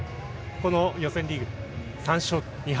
予選リーグ３勝２敗